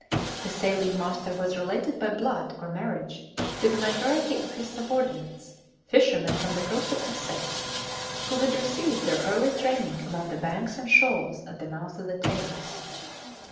The sailing master was related by blood or marriage to the majority of his subordinates fishermen from the coast of Essex, who had received their early training among the banks and shoals at the mouth of the Thames.